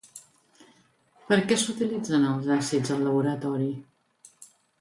Per a què s'utilitzen els àcids al laboratori?